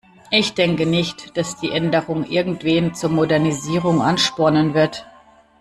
Ich denke nicht, dass die Änderung irgendwen zur Modernisierung anspornen wird.